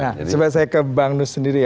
nah coba saya ke bang nus sendiri ya